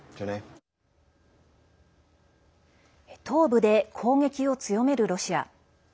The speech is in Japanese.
東部で攻撃を強めるロシア。